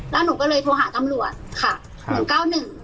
แล้วหนูก็เลยโทรหาจำรวจค่ะ๑๙๑